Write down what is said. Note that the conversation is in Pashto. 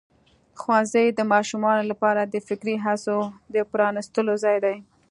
ښوونځی د ماشومانو لپاره د فکري هڅو د پرانستلو ځای دی.